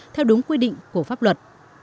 theo đúng quy định của pháp luật